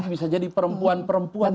bisa jadi perempuan perempuan